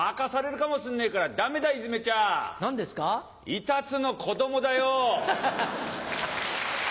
イタチの子供だよ。